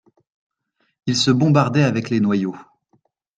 Ils se bombardaient avec les noyaux.